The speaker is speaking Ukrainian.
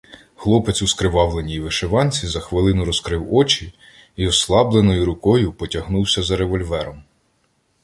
Хлопець у скривавленій вишиванці за хвилину розкрив очі й ослабленою рукою потягнувся за револьвером.